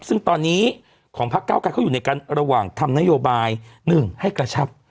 ซึ่งตอนนี้ของพักเก้าไกรเขาอยู่ในระหว่างทำนโยบาย๑ให้กระชับ